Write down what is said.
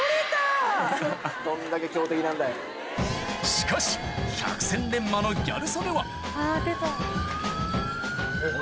しかし百戦錬磨のギャル曽根はあぁ出た。